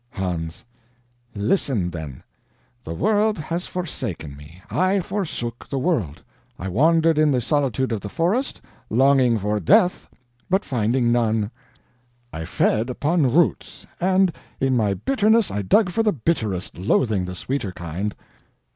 Hans: "Listen then. The world has forsaken me, I forsook the world, I wandered in the solitude of the forest, longing for death but finding none. I fed upon roots, and in my bitterness I dug for the bitterest, loathing the sweeter kind.